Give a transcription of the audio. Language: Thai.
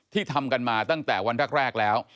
ทำกันมาตั้งแต่วันแรกแล้ว